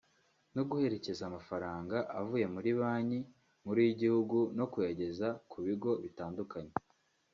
no guherekeza amafaranga avuye kuri Banki nkuru y’igihugu no kuyageza ku bigo bitandukanye